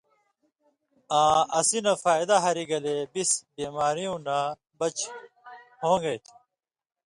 آں اسی نہ فائدہ ہری گلے بِس بیمار ہویں نہ بچ ہوݩگَیں تھو۔